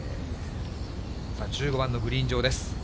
１５番のグリーン上です。